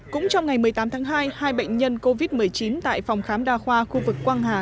cũng trong ngày một mươi tám tháng hai hai bệnh nhân covid một mươi chín tại phòng khám đa khoa khu vực quang hà